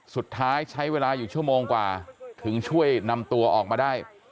สุดท้ายใช้เวลาอยู่ชั่วโมงกว่าถึงช่วยนำตัวออกมาได้